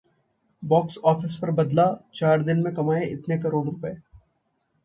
box office पर बदला: चार दिन में कमाए इतने करोड़ रुपये